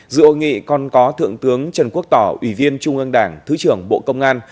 dự hội nghị còn có thượng tướng trần quốc tỏ ủy viên trung ương đảng thứ trưởng bộ công an